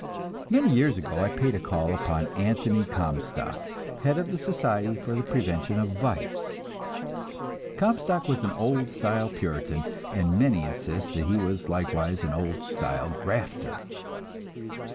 Many years ago I paid a call upon Anthony Comstock, head of the Society for the Prevention of Vice. Comstock was an old style Puritan, and many insist that he was likewise an old style grafter.